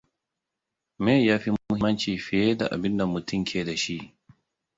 Me ya fi muhimmanci fiye da abinda mutum ke da shi.